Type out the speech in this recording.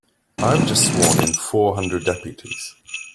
I've just sworn in four hundred deputies.